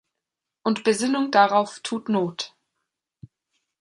Und Besinnung darauf tut not.